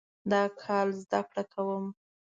دا کال زده کړه کوم